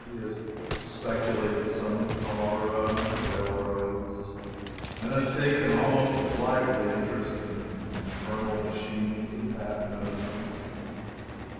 He has speculated some in cholera and railroads, and has taken almost a lively interest in infernal machines and patent medicines.